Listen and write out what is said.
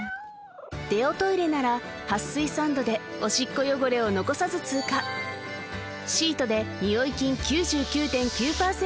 デオトイレなら撥水サンドでオシッコ汚れを残さず通過シートでニオイ菌９９．９％